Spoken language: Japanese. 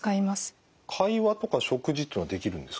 会話とか食事っていうのはできるんですか？